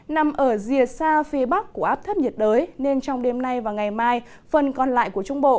nằm ở rìa xa phía bắc của áp thấp nhiệt đới nên trong đêm nay và ngày mai phần còn lại của trung bộ